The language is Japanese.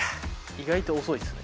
意外と遅いですね。